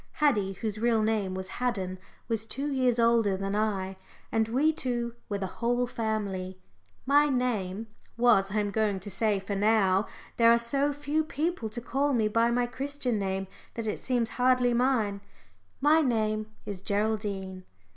Haddie whose real name was Haddon was two years older than I, and we two were the whole family. My name was I was going to say, for now there are so few people to call me by my Christian name that it seems hardly mine my name is Geraldine.